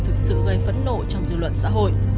thực sự gây phẫn nộ trong dư luận xã hội